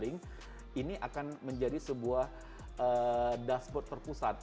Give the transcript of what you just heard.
nggak sampai masuk bu